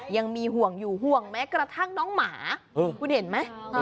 ยังมีห่วงอยู่ห่วงแม้กระทั่งน้องหมาคุณเห็นไหม